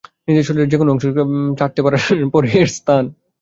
নিজের শরীরের যেকোনো অংশ চাটতে পারার পরেই এর স্থান।